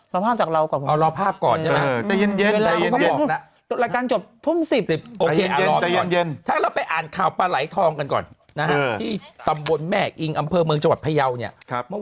รอภาพจากเราก่อนเอารอภาพก่อนนะเย็นแล้วกันจบทุ่ม๑๐โอเคอรอเย็นถ้าเราไปอ่านข่าวปลาไหล่ทองกันก่อนนะฮะที่ตำบลแม่งอำเภอเมืองจังหวัดพยาวเนี่ยครับ